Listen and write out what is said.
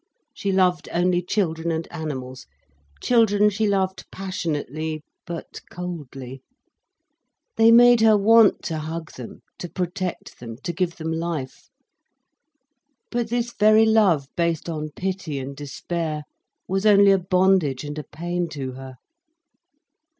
She loved only children and animals: children she loved passionately, but coldly. They made her want to hug them, to protect them, to give them life. But this very love, based on pity and despair, was only a bondage and a pain to her.